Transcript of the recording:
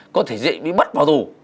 có thể dễ bị bắt vào tù